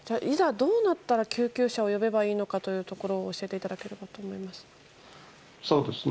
どうなったら救急車を呼べばいいかというところを教えていただきたいです。